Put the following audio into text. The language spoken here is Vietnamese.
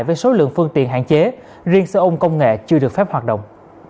với số lượng phương tiện hạn chế riêng xe ôn công nghệ chưa được phép hoạt động